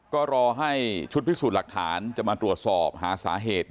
ก็รอให้ชุดพิสูจน์หลักฐานจะมาตรวจสอบหาสาเหตุ